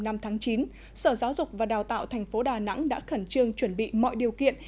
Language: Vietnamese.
năm tháng chín sở giáo dục và đào tạo thành phố đà nẵng đã khẩn trương chuẩn bị mọi điều kiện